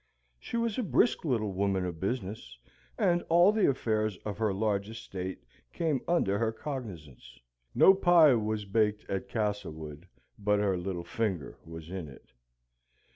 She was a brisk little woman of business, and all the affairs of her large estate came under her cognisance. No pie was baked at Castlewood but her little finger was in it.